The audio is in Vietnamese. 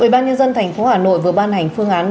ubnd tp hà nội vừa ban hành phương hành